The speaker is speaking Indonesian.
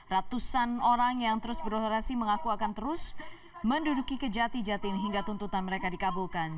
ratusan orang yang terus berorasi mengaku akan terus menduduki kejati jatim hingga tuntutan mereka dikabulkan